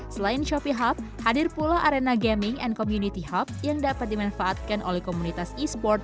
selain shopee hub hadir pula arena gaming and community hub yang dapat dimanfaatkan oleh komunitas e sport